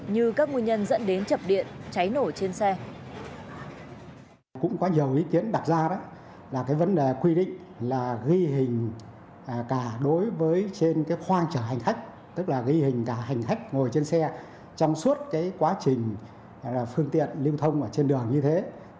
như các nguyên nhân dẫn đến chập điện cháy nổ trên xe